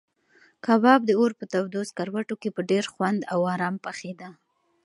کباب د اور په تودو سکروټو کې په ډېر خوند او ارام پخېده.